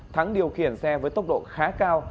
thắng điều khiển xe với tốc độ khá cao